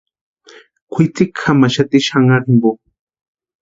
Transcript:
Kwʼitsiki jamaxati xanharu jimpo.